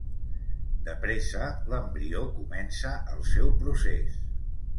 De pressa l'embrió comença el seu procés.